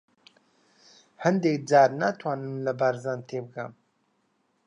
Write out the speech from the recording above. هەندێک جار ناتوانم لە بارزان تێبگەم.